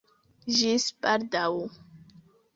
Ĝis baldaŭ.